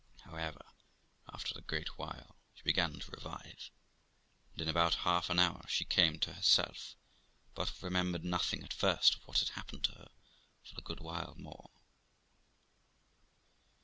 However, after a great while, she began to revive, and in about half an hour she came to herself, but remembered nothing at first of what had happened to her for a good while more.